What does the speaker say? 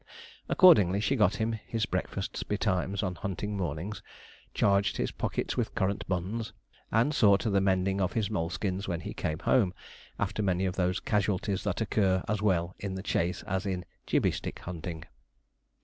Accordingly, she got him his breakfast betimes on hunting mornings, charged his pockets with currant buns, and saw to the mending of his moleskins when he came home, after any of those casualties that occur as well in the chase as in gibbey stick hunting.